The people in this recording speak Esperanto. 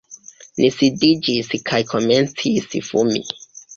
Ni sidiĝis kaj komencis fumi.